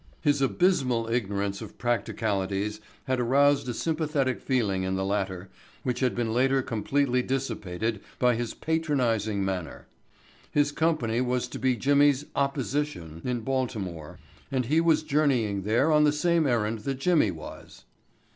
His abysmal ignorance of practicalities had aroused a sympathetic feeling in the latter which had been later completely dissipated by his patronizing manner. His company was to be Jimmy's "opposition" in Baltimore, and he was journeying there on the same errand that Jimmy was.